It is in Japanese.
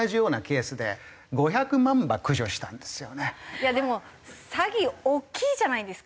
いやでもサギ大きいじゃないですか。